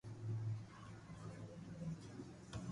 ھين اموري حق ھي ڪي امي آ ڪوم محنت